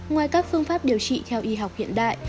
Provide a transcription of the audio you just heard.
ngoài các phương pháp điều trị theo y học hiện đại